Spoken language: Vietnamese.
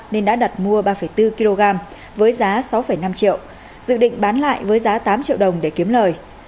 nên đã đặt mua ba bốn kg với giá sáu năm triệu dự định bán lại với giá tám triệu đồng để kiếm lời